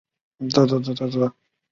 圣叙尔皮克和卡梅拉克。